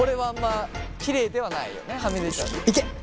いけ！